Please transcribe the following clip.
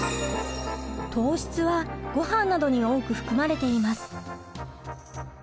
糖質はごはんなどに多く含まれています。